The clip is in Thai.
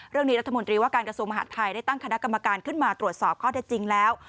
เรื่องนี้รัฐมนตรีว่าการกระทรวงมหาดไทยได้ตั้งคณะกรรมการขึ้นมาตรวจสอบข้อเท็จจริงแล้ว